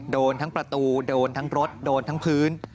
โดนทั้งประตูโดนทั้งรถโดนทั้งพื้น